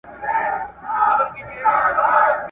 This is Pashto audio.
پر خوبونو یې جگړې دي د خوارانو `